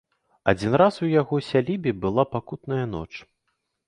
Адзін раз у яго сялібе была пакутная ноч.